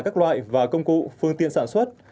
các loại và công cụ phương tiện sản xuất